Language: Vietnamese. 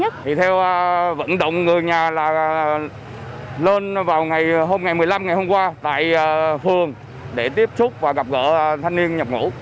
thì theo vận động người nhà là lên vào ngày hôm một mươi năm ngày hôm qua tại phường để tiếp xúc và gặp gỡ thanh niên nhập ngủ